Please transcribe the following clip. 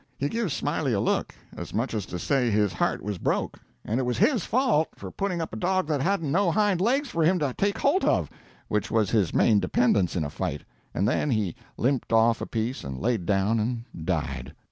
He give Smiley a look, as much as to say his heart was broke, and it was his fault, for putting up a dog that hadn't no hind legs for him to take holt of, which was his main dependence in a fight, and then he limped off a piece and laid down and died.